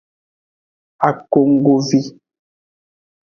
Akonggovi.